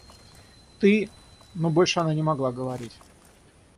Ты... — но больше она не могла говорить.